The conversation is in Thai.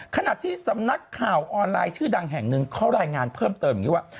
ขณะที่สำนักข่าวออนไลน์ชื่อดังแห่งหนึ่งเขารายงานเพิ่มเติมอย่างนี้ว่า